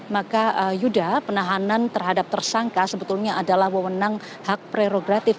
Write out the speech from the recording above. maka yuda penahanan terhadap tersangka sebetulnya adalah wewenang hak prerogatif